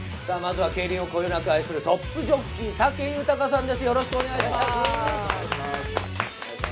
競輪をこよなく愛するトップジョッキー・武豊さんです。